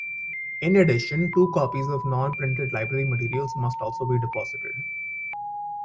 In addition, two copies of non-printed library materials must also be deposited.